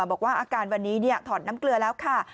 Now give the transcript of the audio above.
บอกว่าอาการวันนี้ถอดน้ำเกลือแล้วค่ะ